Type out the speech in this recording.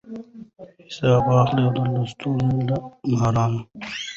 حساب واخلو د لستوڼي له مارانو